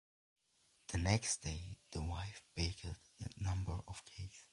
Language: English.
The next day, the wife baked a number of cakes.